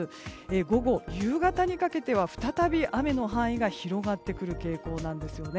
午後、夕方にかけては再び雨の範囲が広がってくる傾向なんですよね。